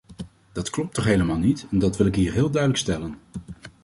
Dat klopt toch helemaal niet en dat wil ik hier heel duidelijk stellen.